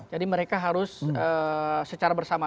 jadi mereka harus secara bersama sama